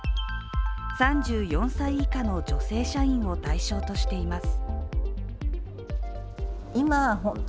３４歳以下の女性社員を対象としています。